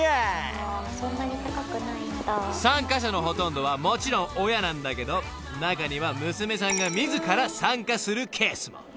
［参加者のほとんどはもちろん親なんだけど中には娘さんが自ら参加するケースも］